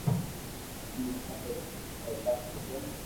ھين اماري ٻولي ني وداوي ھگو